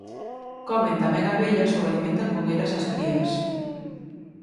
Comen tamén abellas ou alimentan con elas as crías.